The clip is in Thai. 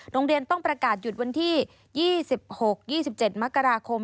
โรงเรียนต้องประกาศหยุดวันที่๒๖๒๗มกราคม